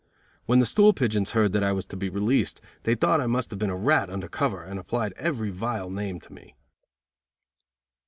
When the stool pigeons heard that I was to be released they thought I must have been a rat under cover, and applied every vile name to me.